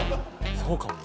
そうかもね。